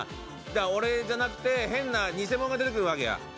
俺じゃなくて変な偽者が出てくるわけや。